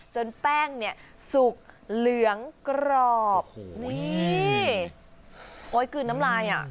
จนแป้งเนี่ยสุกเหลืองกรอบโอ้ยคือน้ำไรอ่ะ